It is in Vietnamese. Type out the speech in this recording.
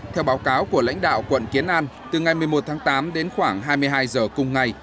theo báo cáo của lãnh đạo quận kiến an từ ngày một mươi một tháng tám đến khoảng hai mươi hai giờ cùng ngày